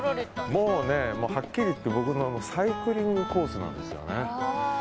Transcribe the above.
もうはっきり言って僕のサイクリングコースなんですよね。